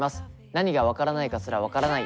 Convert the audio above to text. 何が分からないかすら分からない